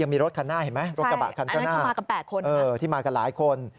ยังมีรถคันหน้าเห็นไหมรถกระบะคันกระหน้าที่มากับหลายคน